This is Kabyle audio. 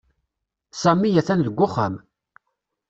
Sami atan deg uxxam.